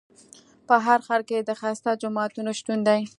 په هر ښار کې د ښایسته جوماتونو شتون دی.